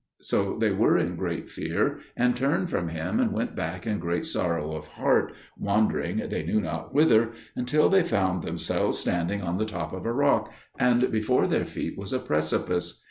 So they were in great fear, and turned from him and went back in great sorrow of heart, wandering they knew not whither, until they found themselves standing on the top of a rock, and before their feet was a precipice.